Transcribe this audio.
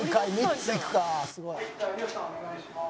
お願いします。